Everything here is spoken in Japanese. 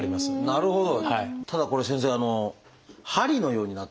なるほど。